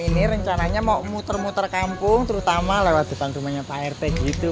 ini rencananya mau muter muter kampung terutama lewat dibantumannya pak rt gitu